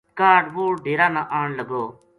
کاہڈ وہ ڈیرا نا آن لگو